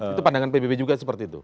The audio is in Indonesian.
itu pandangan pbb juga seperti itu